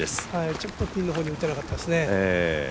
ちょっとピンの方に打てなかったですね。